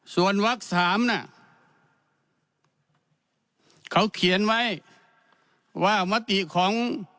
ส่วนวักสามน่ะเขาเขียนไว้ว่ามติของ